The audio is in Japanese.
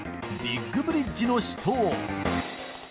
「ビッグブリッヂの死闘」